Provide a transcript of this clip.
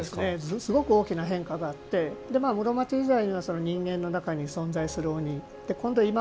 すごく大きな変化があって室町時代には人間の中に存在する鬼。